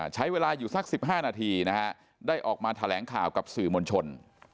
ใช้เวลาอยู่สัก๑๕นาทีนะฮะได้ออกมาแถลงข่าวกับสื่อมวลชน